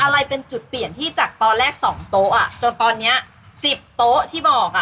อะไรเป็นจุดเปลี่ยนที่จากตอนแรกสองโต๊ะอ่ะจนตอนเนี้ยสิบโต๊ะที่บอกอ่ะ